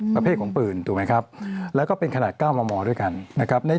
ประเภทของปืนถูกไหมครับแล้วก็เป็นขนาด๙มมด้วยกันนะครับ